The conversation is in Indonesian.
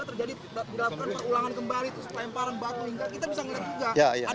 sehingga terjadi perulangan kembali